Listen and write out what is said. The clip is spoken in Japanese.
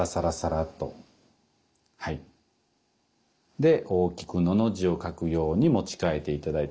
で大きく「の」の字を書くように持ち替えて頂いて。